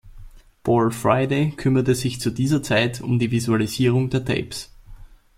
Paul Friday kümmerte sich zu dieser Zeit um die Visualisierung der Tapes.